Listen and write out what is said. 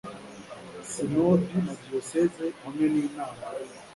Sinodi ya Diyosezi hamwe n inama